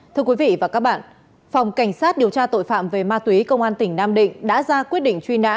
thưa quý vị và các bạn phòng cảnh sát điều tra tội phạm về ma túy công an tỉnh nam định đã ra quyết định truy nã